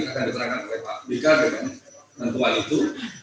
ini akan diterangkan oleh pak bika dengan nantuan itu